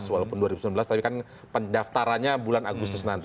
walaupun dua ribu sembilan belas tapi kan pendaftarannya bulan agustus nanti